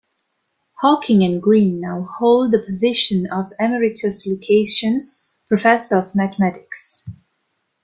Hawking and Green now hold the position of Emeritus Lucasian Professor of Mathematics.